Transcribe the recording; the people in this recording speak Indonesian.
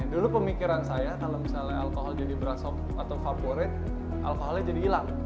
dulu pemikiran saya kalau misalnya alkohol jadi beras atau favorit alkoholnya jadi hilang